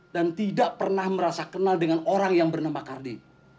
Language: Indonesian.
dan tidak pernah merasa kenal dengan orang yang bernama kardi